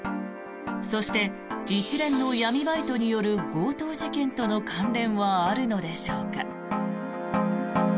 そして、一連の闇バイトによる強盗事件との関連はあるのでしょうか。